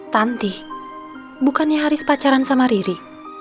tanti bukannya haris pacaran sama riri